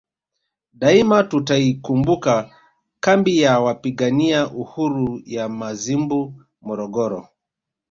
Daima tutaikumbuka kambi ya Wapigania Uhuru ya Mazimbu Morogoro